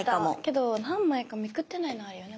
けど何枚かめくってないのあるよね